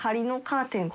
カーテン。